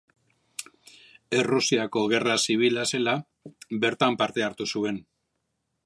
Errusiako Gerra Zibila zela, bertan parte hartu zuen.